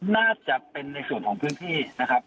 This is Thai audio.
น่าจะเป็นในส่วนของพื้นที่นะครับ